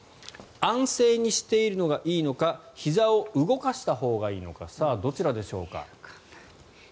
安静にしているのがいいのかひざを動かしたほうがいいのかさあ、どちらでしょうか。